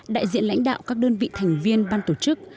đại diện lãnh đạo các đơn vị thành viên ban tổ chức